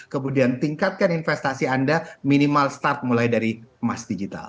kemudian tingkatkan investasi anda minimal start mulai dari emas digital